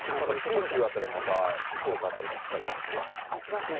九州辺りもまた、福岡辺りで降ったりとかするんですかね。